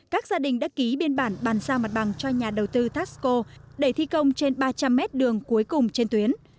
các gia đình đã ký biên bản bàn xa mặt bằng cho nhà đầu tư taxco để thi công trên ba trăm linh mét đường cuối cùng trên tuyến